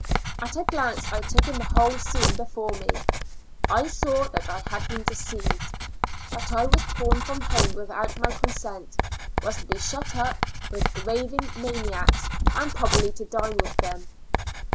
At a glance I took in the whole scene be fore me. . I saw that I had been deceived ; that I was torn from home without my consent ; was to be shut up with raving IN A Lunatic A SYLVM. 23 maniacs, and probably to die with them.